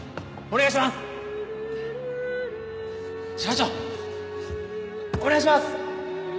お願いします！